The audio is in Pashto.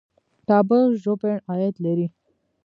د کابل ژوبڼ عاید لري